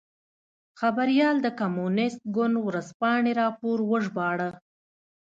خبریال د کمونېست ګوند ورځپاڼې راپور وژباړه.